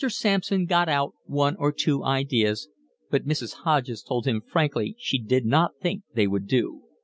Sampson 'got out' one or two ideas, but Mrs. Hodges told him frankly she did not think they would do.